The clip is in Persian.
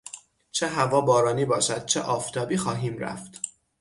چه هوا بارانی باشد چه آفتابی خواهیم رفت.